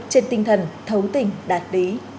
trên tinh thần thấu tình đạt đí